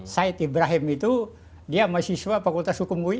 said ibrahim itu dia mahasiswa fakultas hukum ui